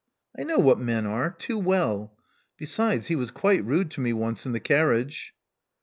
I know what men are too well. Besides, he was quite rude to me once in the carriage.